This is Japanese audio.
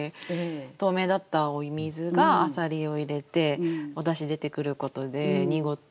透明だったお水が浅蜊を入れておだし出てくることで濁っていく。